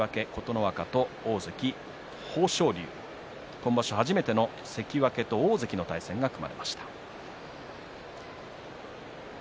今場所初めての関脇と大関の対戦が組まれました。